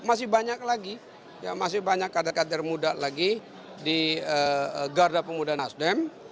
masih banyak lagi masih banyak kader kader muda lagi di garda pemuda nasdem